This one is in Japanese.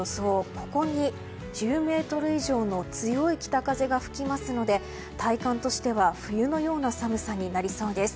ここに１０メートル以上の強い北風が吹きますので体感としては冬のような寒さとなりそうです。